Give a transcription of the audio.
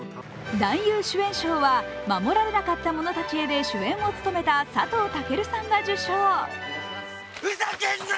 男優主演賞は「護られなかった者たちへ」で主演を務めた佐藤健さんが受賞。